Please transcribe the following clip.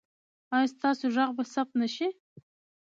ایا ستاسو غږ به ثبت نه شي؟